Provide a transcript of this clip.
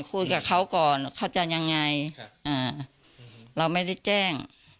คุยกับเขาก่อนเขาจะยังไงเราไม่ได้แจ้ง